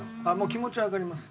気持ちはわかります。